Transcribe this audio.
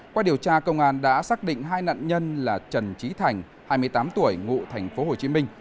qua điều tra công an đã xác định hai nạn nhân là trần trí thành hai mươi tám tuổi ngụ thành phố hồ chí minh